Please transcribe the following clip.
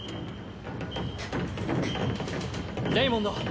レイモンド。